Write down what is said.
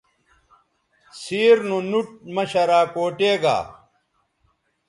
سیر نو نُوٹ مہ شراکوٹے گا